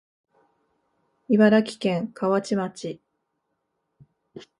茨城県河内町